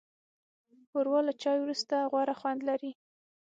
ښوروا له چای وروسته غوره خوند لري.